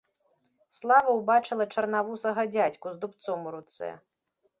Слава ўбачыла чарнавусага дзядзьку з дубцом у руцэ.